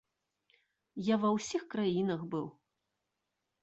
Я ва ўсіх краінах быў.